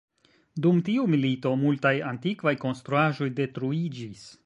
Dum tiu milito multaj antikvaj konstruaĵoj detruiĝis.